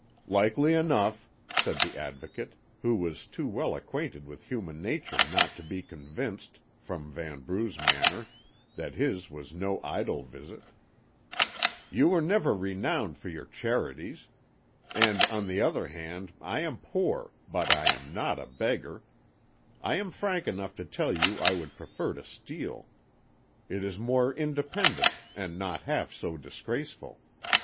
"Likely enough," said the Advocate, who was too well acquainted with human nature not to be convinced, from Vanbrugh's manner, that his was no idle visit. "You were never renowned for your charities. And on the other hand I am poor, but I am not a beggar. I am frank enough to tell you I would prefer to steal. It is more independent, and not half so disgraceful.